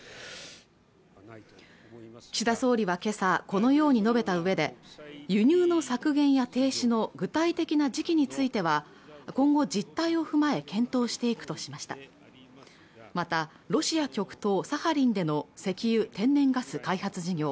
このように述べたうえで輸入の削減や停止の具体的な時期については今後実態を踏まえ検討していくとしましたまたロシア極東サハリンでの石油天然ガス開発事業